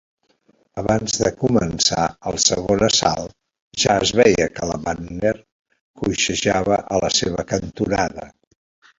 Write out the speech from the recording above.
Abans de començar el segon assalt, ja es veia que LeBanner coixejava a la seva cantonada.